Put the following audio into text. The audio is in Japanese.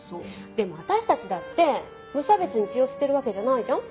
でも私たちだって無差別に血を吸ってるわけじゃないじゃん？